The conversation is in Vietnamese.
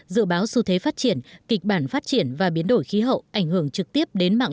dự báo xu thế phát triển kịch bản phát triển và biến đổi khí hậu ảnh hưởng trực tiếp đến mạng